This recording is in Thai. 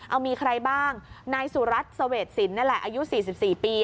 เอามีใครบ้างนายสุรัตน์เสวดศิลป์นั่นแหละอายุ๔๔ปี